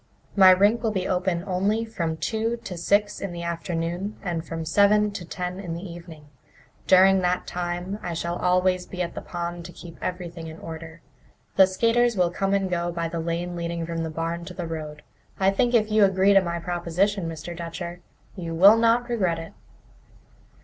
My rink will be open only from two to six in the afternoon and from seven to ten in the evening. During that time I shall always be at the pond to keep everything in order. The skaters will come and go by the lane leading from the barn to the road. I think that if you agree to my proposition, Mr. Dutcher, you will not regret it."